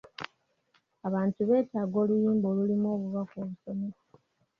Abantu beetaaga oluyimba olulimu obubaka obusomesa.